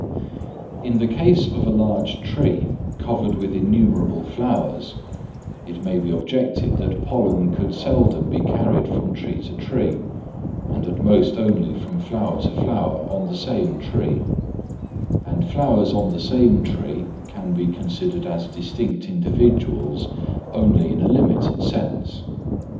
In the case of a large tree covered with innumerable flowers, it may be objected that pollen could seldom be carried from tree to tree, and at most only from flower to flower on the same tree; and flowers on the same tree can be considered as distinct individuals only in a limited sense.